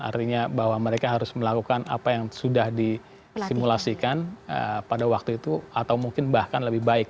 artinya bahwa mereka harus melakukan apa yang sudah disimulasikan pada waktu itu atau mungkin bahkan lebih baik